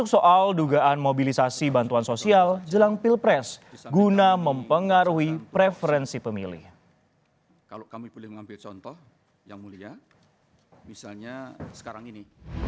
kalau kami boleh mengambil contoh yang mulia misalnya sekarang ini